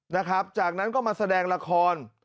นะครับจากนั้นก็มาแสดงละคร